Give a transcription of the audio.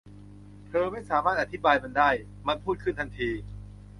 เธอไม่สามารถอธิบายมันได้ มันพูดขึ้นทันที